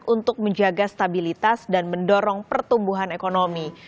untuk menjaga stabilitas dan mendorong pertumbuhan ekonomi